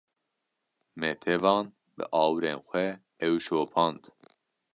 Me tevan bi awirên xwe ew şopand